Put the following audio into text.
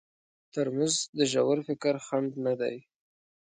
ترموز د ژور فکر خنډ نه دی.